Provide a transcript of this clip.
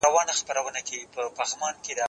زه کولای سم لیکل وکړم؟